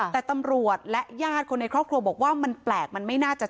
แต่ตำรวจและญาติคนในครอบครัวบอกว่ามันแปลกมันไม่น่าจะ